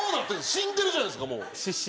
死んでるじゃないですかもう。